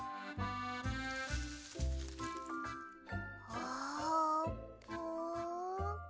あーぷん？